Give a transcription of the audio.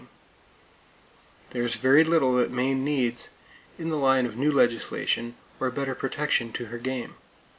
[Page 284] There is very little that Maine needs in the line of new legislation, or better protection to her game.